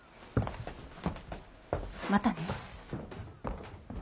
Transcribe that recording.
またね。